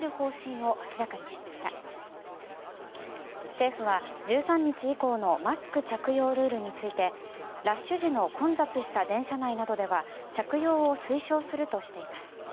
政府は、１３日以降のマスク着用ルールについてラッシュ時の混雑した電車内などでは着用を推奨するとしています。